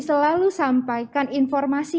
selalu sampaikan informasi